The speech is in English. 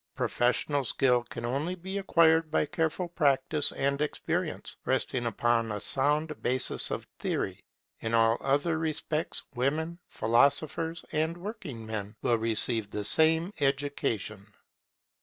Professional skill can only be acquired by careful practice and experience, resting upon a sound basis of theory. In all other respects women, philosophers, and working men will receive the same education.